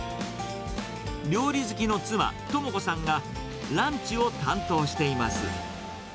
料理好きの妻、知子さんが、ランチを担当しています。